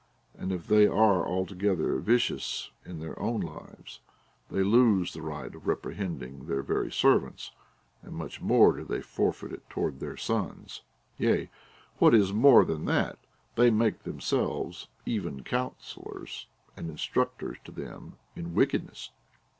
And if they are altogether vicious in their own lives, they lose the right of reprehending their very ser vants, and much more do they forfeit it towards their sons. Yea, what is more than that, they make themselves even counsellors and instructors to them in Avickedness.